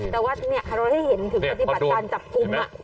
แต่ว่าเนี่ยเราได้เห็นถึงอธิบัติการจับกุ้มอะ